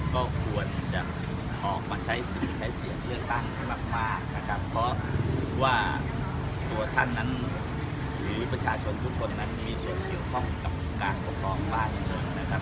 ก็ควรจะออกมาใช้สิทธิ์ใช้เสียงเลือกตั้งให้มากนะครับเพราะว่าตัวท่านนั้นหรือประชาชนทุกคนนั้นมีส่วนเกี่ยวข้องกับการปกครองบ้านเมืองนะครับ